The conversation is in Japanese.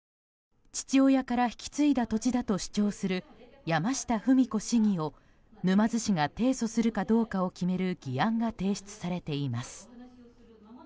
父親から引き継いだ土地だと主張する山下富美子市議を沼津市が提訴するかどうかを決める議案が提出されています。